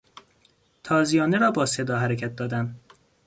تازیانه را با صدا حرکت دادن